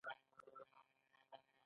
افغانستان به پرمختګ کوي؟